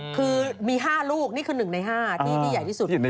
คือมี๕ลูกนี่คือ๑ใน๕ที่ใหญ่ที่สุด